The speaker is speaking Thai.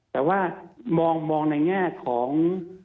แต่ว่ามองในแง่ของ